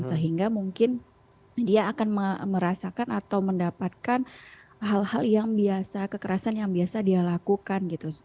sehingga mungkin dia akan merasakan atau mendapatkan hal hal yang biasa kekerasan yang biasa dia lakukan gitu